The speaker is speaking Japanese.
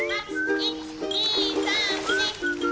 １、２、３、４。